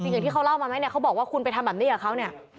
อย่างที่เขาเล่ามาไหมเนี่ยเขาบอกว่าคุณไปทำแบบนี้กับเขาเนี่ย